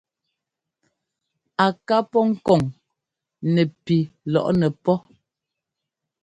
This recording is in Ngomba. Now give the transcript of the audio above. Ŋ ká pɔ́ kɔŋ nɛpi lɔ́ŋnɛ́ pɔ́.